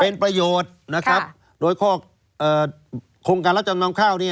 เป็นประโยชน์โดยของโครงการรับจำนำข้าว